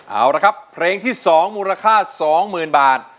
เอาละครับเพลงที่๒มูลค่า๒๐๐๐บาท